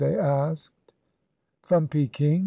they asked. "From Peking."